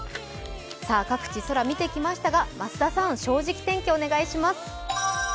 各地、空見てきましたが、増田さん、「正直天気」お願いします。